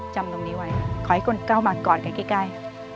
จำตรงนี้ไว้ขอให้คนก้าวมากอดกันใกล้